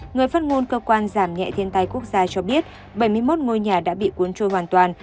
người phát ngôn cơ quan giảm nhẹ thiên tai quốc gia cho biết bảy mươi một ngôi nhà đã bị cuốn trôi hoàn toàn